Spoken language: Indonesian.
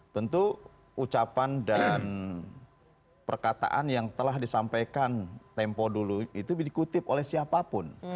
tentu ucapan dan perkataan yang telah disampaikan tempo dulu itu dikutip oleh siapapun